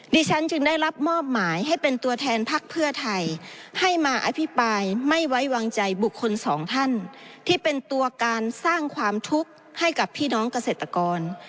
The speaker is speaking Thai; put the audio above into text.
ฉันจึงได้รับมอบหมายให้เป็นตัวแทนพักเพื่อไทยให้มาอภิปรายไม่ไว้วางใจบุคคลสองท่านที่เป็นตัวการสร้างความทุกข์ให้กับพี่น้องเกษตรกร